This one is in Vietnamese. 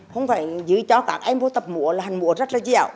không phải giữ cho các em vô tập mùa là hành mùa rất là dẻo